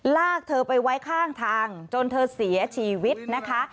ลากเธอไปไว้ข้างทางจนเธอเสียชีวิตนะคะ